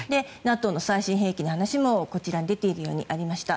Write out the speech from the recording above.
ＮＡＴＯの最新兵器の話もこちらに出ているようにありました。